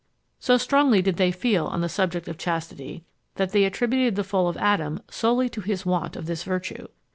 So strongly did they feel on the subject of chastity, that they attributed the fall of Adam solely to his want of this virtue.